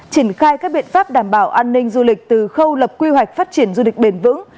triển khai các biện pháp đảm bảo an ninh du lịch từ khâu lập quy hoạch phát triển du lịch bền vững